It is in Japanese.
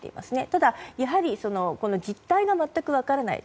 ただ、やはり実態が全く分からない。